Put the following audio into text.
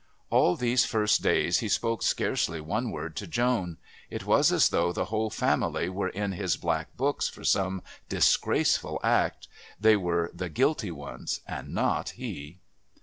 All these first days he spoke scarcely one word to Joan; it was as though the whole family were in his black books for some disgraceful act they were the guilty ones and not he.